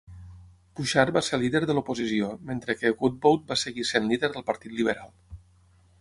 Bouchard va ser líder de l'oposició mentre que Godbout va seguir sent líder del Partit Liberal.